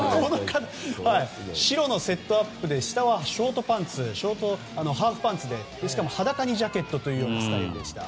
白のセットアップで下はハーフパンツでしかも裸にジャケットというスタイルでした。